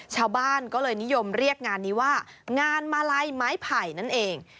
ชาวบ้านก็เลยนิยมเรียกงานนี้ว่างานมาลัยไม้ไผ่นั่นเอง